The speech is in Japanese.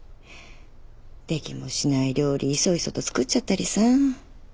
できもしない料理いそいそと作っちゃったりさ。